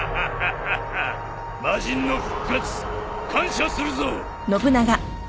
魔人の復活感謝するぞ！